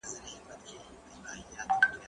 زه اوس د زده کړو تمرين کوم!؟